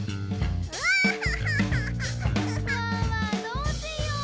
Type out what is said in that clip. どうしよう？